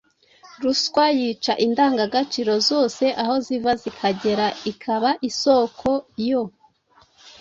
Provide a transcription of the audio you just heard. Ruswa yica indangagaciro zose aho ziva zikagera, ikaba isoko yo